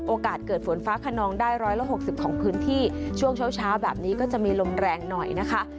เกิดฝนฟ้าขนองได้ร้อยละหกสิบของพื้นที่ช่วงเช้าเช้าแบบนี้ก็จะมีลมแรงหน่อยนะคะ